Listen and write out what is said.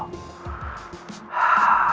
gak ada apa apa